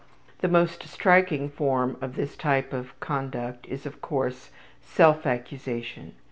The most striking form of this type of conduct is, of course, self accusation.